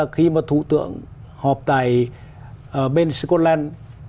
khi mà thủ tượng họp tại bên scotland